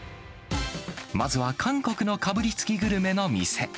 まずは韓国のかぶりつきグルメの店。